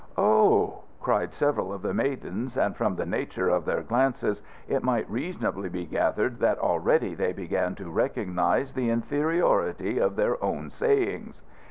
'" "Oh!" cried several of the maidens, and from the nature of their glances it might reasonably be gathered that already they began to recognise the inferiority of their own sayings.